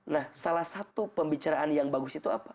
nah salah satu pembicaraan yang bagus itu apa